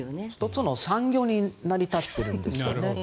１つの産業として成り立っているんですよね。